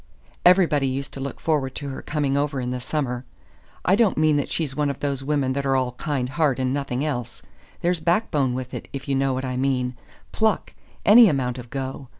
Everybody used to look forward to her coming over in the summer. I don't mean that she's one of those women that are all kind heart and nothing else. There's backbone with it, if you know what I mean pluck any amount of go.